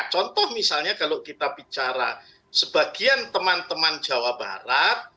contoh misalnya kalau kita bicara sebagian teman teman jawa barat